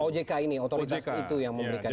ojk ini otoritas itu yang memberikan